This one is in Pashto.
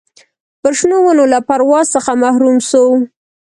پر شنو ونو له پرواز څخه محروم سو